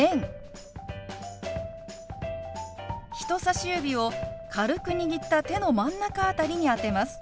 人さし指を軽く握った手の真ん中辺りに当てます。